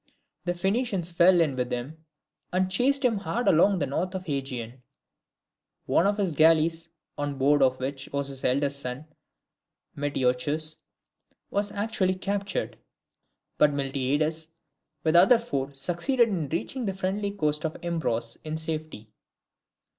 The Phoenicians fell in with him, and chased him hard along the north of the AEgean. One of his galleys, on board of which was his eldest son, Metiochus, was actually captured; but Miltiades, with the other four, succeeded in reaching the friendly coast of Imbros in safety.